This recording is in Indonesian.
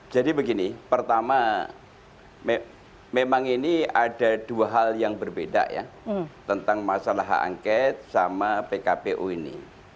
jadi begini pertama memang ini ada dua hal yang berbeda ya tentang masalah hak angket sama pkpu ini